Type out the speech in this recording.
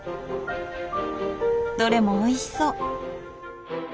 どれもおいしそう！